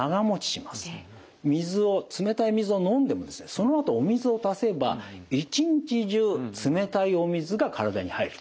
冷たい水を飲んでもですねそのあとお水を足せば一日中冷たいお水が体に入ると。